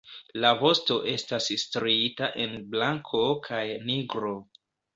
La vosto estas striita en blanko kaj nigro.